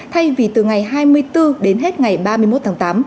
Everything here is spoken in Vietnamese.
thay vì từ ngày hai mươi bốn đến hết ngày ba mươi một tháng tám